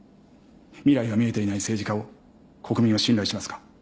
未来が見えていない政治家を国民は信頼しますか。